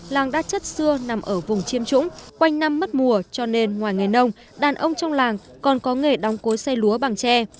làng đa chất xưa nằm ở vùng chiêm trũng quanh năm mất mùa cho nên ngoài nghề nông đàn ông trong làng còn có nghề đóng cối xây lúa bằng tre